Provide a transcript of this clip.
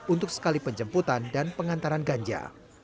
untuk sekali penjemputan dan pengantaran ganja